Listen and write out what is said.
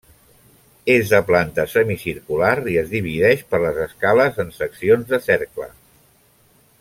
És de planta semicircular i es divideix per les escales en seccions de cercle.